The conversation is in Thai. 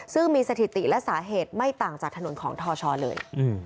ซึ่งมีสถิติและสาเหตุไม่ต่างจากถนนของทชเลย